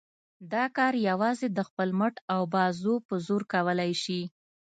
دا کار یوازې د خپل مټ او بازو په زور کولای شي.